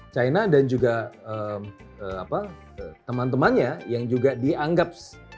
china dan juga teman temannya yang juga dianggap